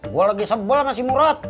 gue lagi sebol sama si murot